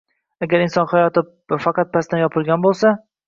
Agar inson hayoti faqat pastdan topilgan bo'lsa tdi.